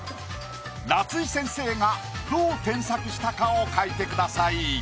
夏井先生がどう添削したかを書いてください。